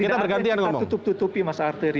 kita bergantian ngomong